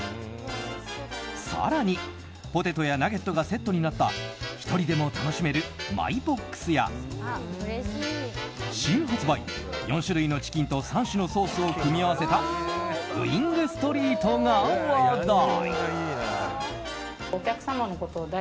更に、ポテトやナゲットがセットになった１人でも楽しめるマイボックスや新発売、４種類のチキンと３種のソースを組み合わせたウイングストリートが話題。